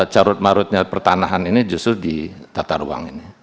carut marutnya pertanahan ini justru di tata ruang ini